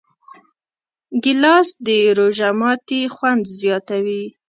ګیلاس د روژه ماتي خوند زیاتوي.